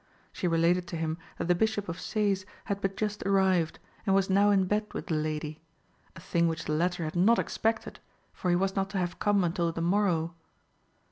She related to him that the Bishop of Sees had but just arrived, and was now in bed with the lady, a thing which the latter had not expected, for he was not to have come until the morrow.